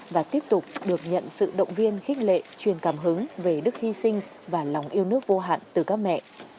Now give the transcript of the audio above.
và tiếp tục được nhận sự động viên khích lệ truyền cảm hứng về đức hy sinh và lòng yêu nước vô hạn từ các mẹ